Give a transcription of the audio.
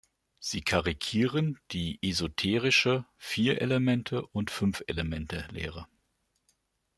Sie karikieren die esoterische Vier-Elemente- und Fünf-Elemente-Lehre.